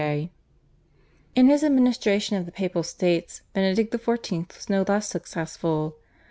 In his administration of the Papal States Benedict XIV. was no less successful.